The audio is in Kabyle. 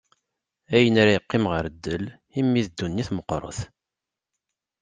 Ayen ara yeqqim ɣer ddel, imi d dunnit meqqret.